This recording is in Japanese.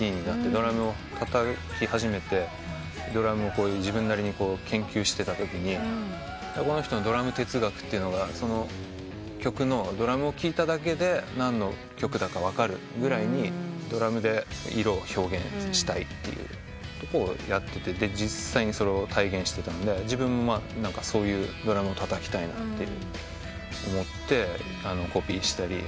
ドラムをたたき始めてドラムを自分なりに研究してたときにこの人のドラム哲学っていうのがその曲のドラムを聴いただけで何の曲だか分かるぐらいにドラムで色を表現したいということをやってて実際にそれを体現してたので自分もそういうドラムをたたきたいなって思ってコピーしたり。